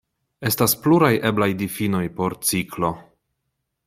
Estas pluraj eblaj difinoj por ciklo.